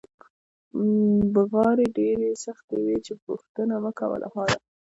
بغارې ډېرې سختې وې چې پوښتنه مکوه له حاله.